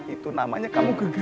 itu namanya kamu genggam